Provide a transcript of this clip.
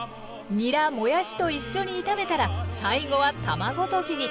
にらもやしと一緒に炒めたら最後は卵とじに。